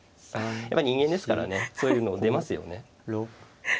やっぱり人間ですからねそういうの出ますよね。